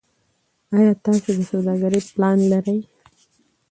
ایا تاسو د سوداګرۍ پلان لرئ.